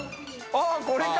あっこれか！